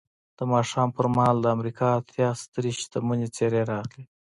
د ماښام پر مهال د امریکا اتیا سترې شتمنې څېرې راغلې